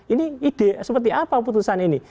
ini ide seperti apa putusan ini